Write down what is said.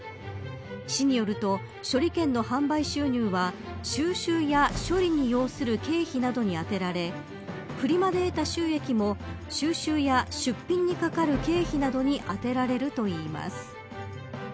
市によると処理券の販売収入は収集や処理に要する経費などにあてられフリマで得た収益も収集や出品にかかる経費などに充てられるといいます。